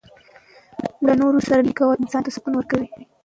له نورو سره نیکي کول انسان ته سکون ورکوي.